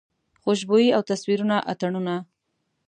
خوشبويي او تصویرونه اتڼونه